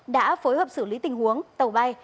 đã phối hợp xử lý tình huống tàu bay